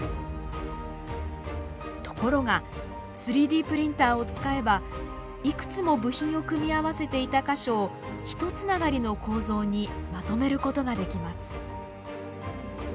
ところが３Ｄプリンターを使えばいくつも部品を組み合わせていた箇所を一つながりの構造にまとめることができます。